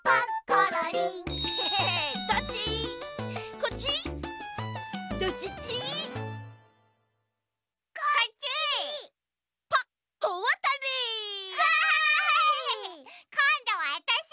こんどはわたし！